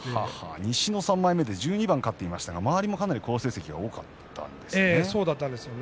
西の３枚目で１２番勝ちましたが周りにも好成績が多かったんですね。